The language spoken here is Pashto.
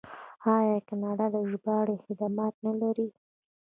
آیا کاناډا د ژباړې خدمات نلري؟